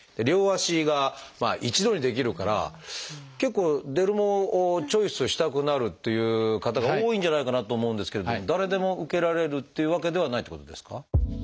両足が一度にできるから結構デルモをチョイスしたくなるっていう方が多いんじゃないかなと思うんですけれども誰でも受けられるっていうわけではないってことですか？